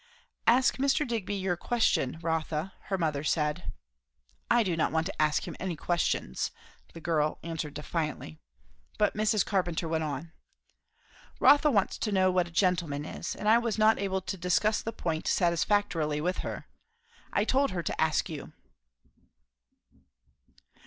"Ask Mr. Digby your question, Rotha," her mother said. "I do not want to ask him any questions," the girl answered defiantly. But Mrs. Carpenter went on. "Rotha wants to know what a gentleman is; and I was not able to discuss the point satisfactorily with her. I told her to ask you."